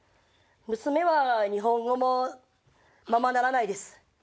娘は日本語もままならないです。